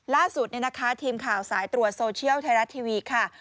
ล่าสุดเนี่ยนะคะทีมข่าวสายตรวจโซเชียลไทยรัฐทีวีค่ะ